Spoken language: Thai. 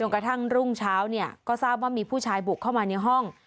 กระทั่งรุ่งเช้าเนี่ยก็ทราบว่ามีผู้ชายบุกเข้ามาในห้อง